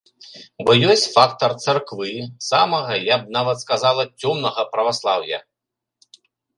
Бо ёсць фактар царквы, самага, я б нават сказала, цёмнага праваслаўя.